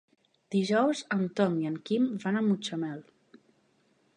Dijous en Tom i en Quim van a Mutxamel.